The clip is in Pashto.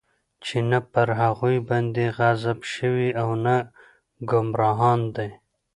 چې نه پر هغوى باندې غضب شوى او نه ګمراهان دی.